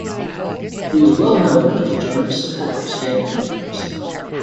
He is well known for his generous support of Stanford University.